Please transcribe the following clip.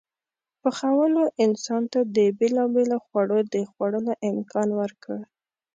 پخولو انسان ته د بېلابېلو خوړو د خوړلو امکان ورکړ.